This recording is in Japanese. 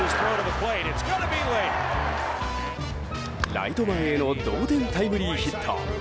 ライト前への同点タイムリーヒット。